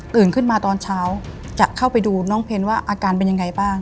ขึ้นมาตอนเช้าจะเข้าไปดูน้องเพลว่าอาการเป็นยังไงบ้าง